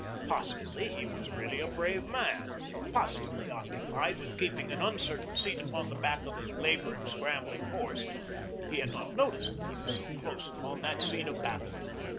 Possibly he was really a brave man; possibly occupied with keeping an uncertain seat upon the back of his labouring, scrambling horse, he had not noticed that he was so close upon that scene of battle.